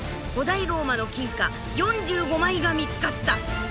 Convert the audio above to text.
古代ローマの金貨４５枚が見つかった。